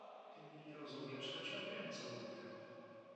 "Ty mnie nie rozumiesz, lecz ja wiem co mówię."